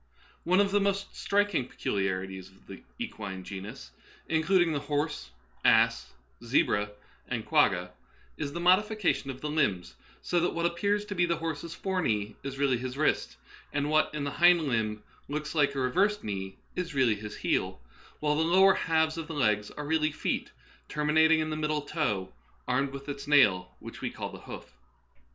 One of the most striking peculiarities of the equine genus — including the horse, ass, zebra, and quagga — is the modification of the limbs, so that what appears to be the horse's fore knee is really his wrist, and what in the hind limb looks like a reversed knee is really his heel, while the lower halves of the legs are really feet terminat ing in the middle toe armed with its nail, which we call the hoof.